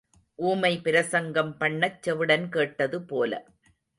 ஊமை பிரசங்கம் பண்ணச் செவிடன் கேட்டது போல.